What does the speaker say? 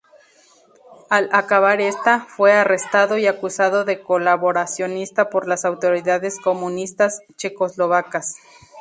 Al acabar esta, fue arrestado y acusado de colaboracionista por las autoridades comunistas checoslovacas.